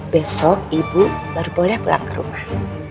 besok ibu baru boleh pulang ke rumah